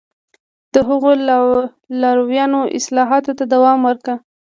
د هغه لارویانو اصلاحاتو ته دوام ورکړ